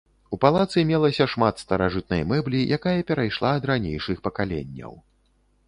У палацы мелася шмат старажытнай мэблі, якая перайшла ад ранейшых пакаленняў.